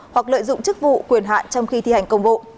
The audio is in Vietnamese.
hoặc lợi dụng chức vụ quyền hạn trong khi thi hành công vụ